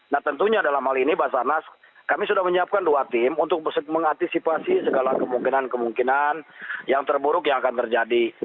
nah tentunya dalam hal ini basarnas kami sudah menyiapkan dua tim untuk mengantisipasi segala kemungkinan kemungkinan yang terburuk yang akan terjadi